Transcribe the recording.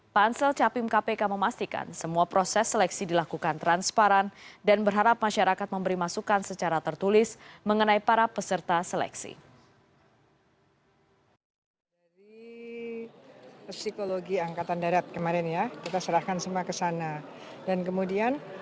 pansel capim kpk memastikan semua proses seleksi dilakukan transparan dan berharap masyarakat memberi masukan secara tertulis mengenai para peserta seleksi